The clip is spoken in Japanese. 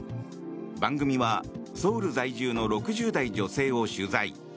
番組はソウル在住の６０代女性を取材。